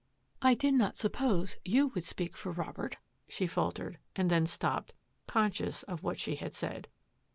" I did not suppose yow would speak for Rob ert," she faltered, and then stopped, conscious of what she had said.